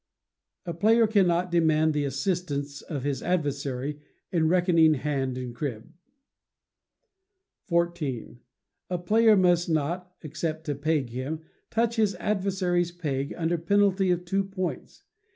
A player cannot demand the assistance of his adversary in reckoning hand and crib. xiv. A player may not, except to "peg him," touch his adversary's pegs, under a penalty of two points.